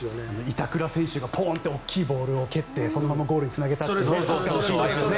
板倉選手がポンと大きいボールを蹴ってそのままゴールにつなげたシーンもありましたね。